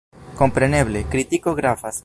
Kompreneble, kritiko gravas.